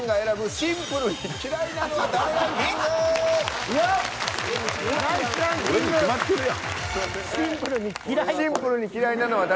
シンプルに嫌いなのは誰？